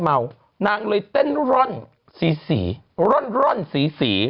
นี่นี่นี่นี่นี่นี่นี่